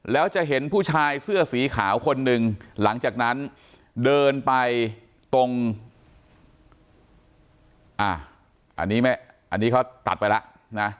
แล้วจะเห็นผู้ชายเสื้อสีขาวคนหนึ่งหลังจากนั้นเดินไปตรงอันนี้ไม่อันนี้เขาตัดไปแล้วนะ